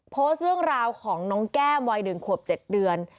โพสต์เรื่องราวของน้องแก้มวัย๑ขวบ๗เดือน